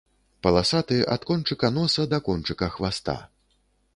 Паласаты ад кончыка носа да кончыка хваста.